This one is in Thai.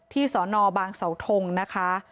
ที่สอนอบางเสาทงนะคะ